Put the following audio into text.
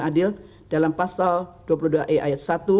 adil dalam pasal dua puluh dua e ayat satu